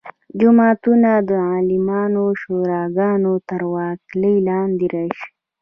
جوماتونه د عالمانو شوراګانو تر ولکې لاندې راشي.